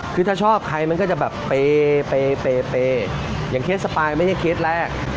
คือถ้าชอบใครมันก็จะแบบเปรย์เปรย์เปรย์เปรย์อย่างเคสสปายไม่ได้เคสแรก